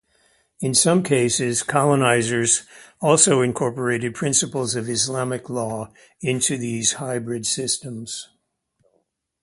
In some cases, colonizers also incorporated principles of Islamic law into these hybrid systems.